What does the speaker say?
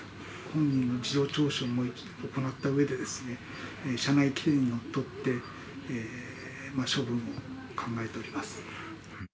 本人の事情聴取を行ったうえで、社内規定にのっとって、処分を考えております。